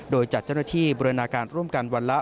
โดยจัดเจ้าหน้าที่บูรณาการร่วมกันวันละ